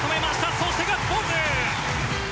そしてガッツポーズ！